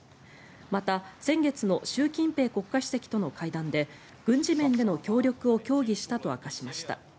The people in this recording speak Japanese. また、先月の習近平国家主席との会談で軍事面での協力を協議したと明かしました。